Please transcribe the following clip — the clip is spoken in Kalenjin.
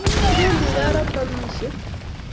Kipendi kaa raa kamishen